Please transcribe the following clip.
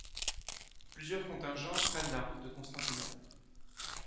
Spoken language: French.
Plusieurs contingents prennent la route de Constantinople.